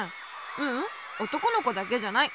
ううんおとこのこだけじゃない。